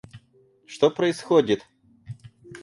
Что происходит?